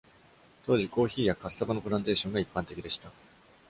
当時、コーヒーやカッサバのプランテーションが一般的でした。